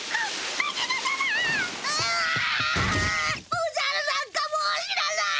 おじゃるなんかもう知らない！